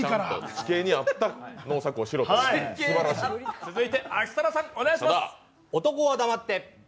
地形に合った農作をしろと、すばらしい。